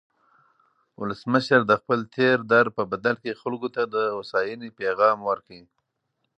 ولسمشر د خپل تېر درد په بدل کې خلکو ته د هوساینې پیغام ورکړ.